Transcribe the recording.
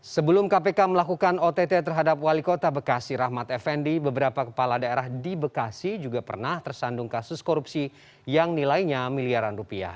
sebelum kpk melakukan ott terhadap wali kota bekasi rahmat effendi beberapa kepala daerah di bekasi juga pernah tersandung kasus korupsi yang nilainya miliaran rupiah